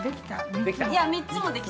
◆いや、３つもできた。